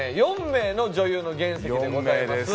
４名の女優の原石でございます